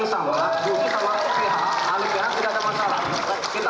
buki sama pihak ahli pihak tidak ada masalah